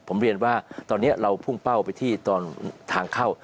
ผมเรียนว่าตอนนี้เราพุ่งเป้าไปที่ตอนทางเข้า